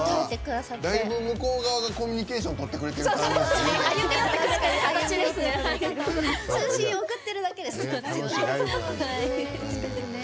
だいぶ向こう側がコミュニケーションとってくれてる感じですね。